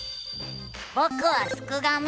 ぼくはすくがミ。